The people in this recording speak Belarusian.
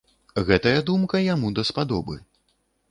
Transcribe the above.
Гэтая думка яму даспадобы.